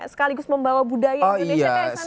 sekaligus membawa budaya indonesia ke sana